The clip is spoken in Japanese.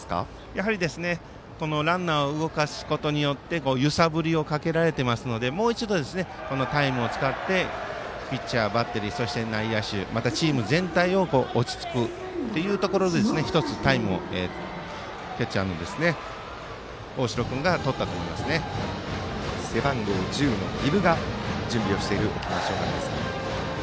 やはり、ランナーを動かすことによって揺さぶりをかけられてますのでもう一度、タイムを使ってピッチャー、バッテリーそして内野手また、チーム全体を落ち着くというところで１つ、タイムをキャッチャーの大城君が背番号１０の儀部が準備をしている沖縄尚学ですが。